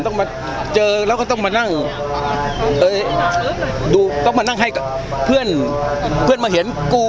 ต้องมาเจอแล้วก็ต้องมานั่งดูต้องมานั่งให้กับเพื่อนเพื่อนมาเห็นกู